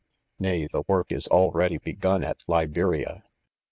Nay, the work is already 4 begun at Liberia.